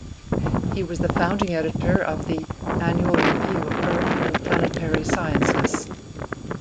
He was the founding editor of the "Annual Review of Earth and Planetary Sciences".